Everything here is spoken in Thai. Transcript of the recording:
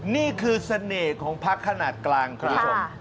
นี่คือเสน่ห์ของพักขนาดกลางคุณผู้ชม